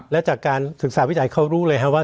และจากการศึกษาวิจัยเขารู้เลยครับว่า